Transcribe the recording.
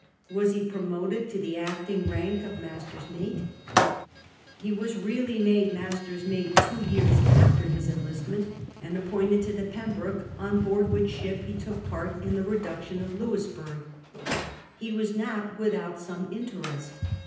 Was he promoted to the acting rank of master's mate 1 He was really made master's mate two years after his cnlistnie?it, and appointed to the remhvlr^ on boaixl which ship he took part in the reduction of Ijouisl^urg. Ho Avas not without some interest.